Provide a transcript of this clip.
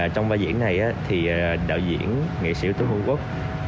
trong vai diễn này thì đạo diễn nghệ sĩ tướng hương quốc